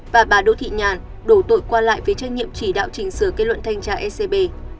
và bà đỗ thị nhàn đổ tội qua lại với trách nhiệm chỉ đạo trình sửa kết luận thanh tra scb